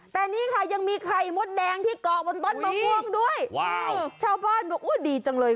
แต่นี่ค่ะยังมีไข่มดแดงที่เกาะบนต้นมะม่วงด้วยว้าวชาวบ้านบอกอุ้ยดีจังเลย